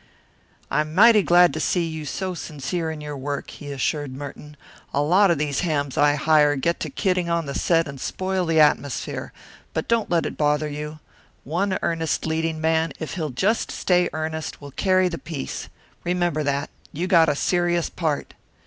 "I'm mighty glad to see you so sincere in your work," he assured Merton. "A lot of these hams I hire get to kidding on the set and spoil the atmosphere, but don't let it bother you. One earnest leading man, if he'll just stay earnest, will carry the piece. Remember that you got a serious part."